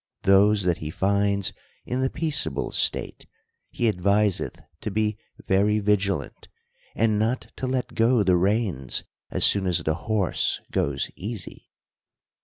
Those that he finds in the peaceable state, he adviseth to be very vigilant, and not to let go the reins as soon as the horse goes easy.